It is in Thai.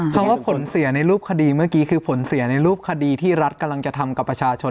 คำว่าผลเสียในรูปคดีเมื่อกี้คือผลเสียในรูปคดีที่รัฐกำลังจะทำกับประชาชน